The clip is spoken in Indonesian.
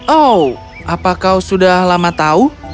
oh apa kau sudah lama tahu